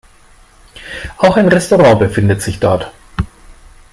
Auch ein Restaurant befindet sich dort.